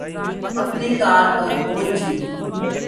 اپنی کار تک پہنچی